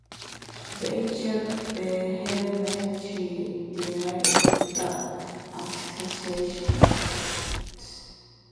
Reichelt vehemently denied the accusations.